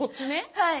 はい。